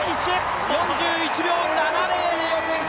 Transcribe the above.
４１秒７０。